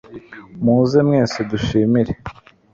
muze mwese dushimire